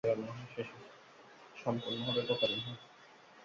স্পষ্টতই তারা চাইছে যে, নারী-পুরুষ সমতাবিষয়ক হিতোপদেশের ভিত্তিতে সমাজ পরিচালিত হোক।